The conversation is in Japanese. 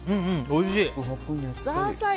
おいしい！